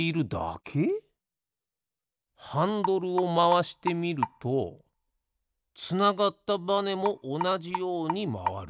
ハンドルをまわしてみるとつながったバネもおなじようにまわる。